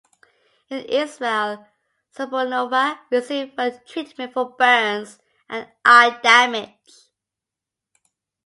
In Israel, Sapunova received further treatment for burns and eye damage.